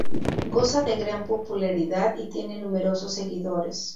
Goza de gran popularidad y tiene numerosos seguidores.